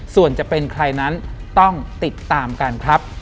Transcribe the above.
ส่วนจะเป็นใครนั้นต้องติดตามกันครับ